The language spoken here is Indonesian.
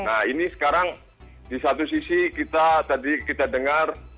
nah ini sekarang di satu sisi kita tadi kita dengar